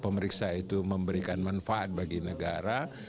pemeriksa itu memberikan manfaat bagi negara